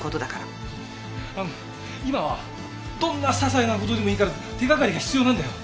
あっ今はどんなささいな事でもいいから手掛かりが必要なんだよ。